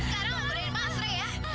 sekarang menggoda mas ray ya